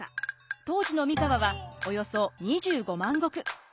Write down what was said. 当時の三河はおよそ２５万石。